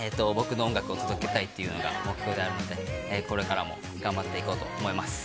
より多くの人に僕の音楽を届けたいとうのが目標であるので、これからも頑張って行こうと思います。